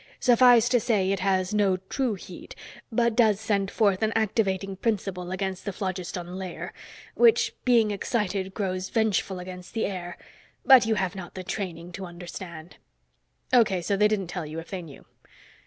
Suffice to say it has no true heat, but does send forth an activating principle against the phlogiston layer, which being excited grows vengeful against the air ... but you have not the training to understand." "Okay, so they didn't tell you, if they knew."